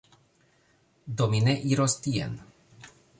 Do, mi ne iros tien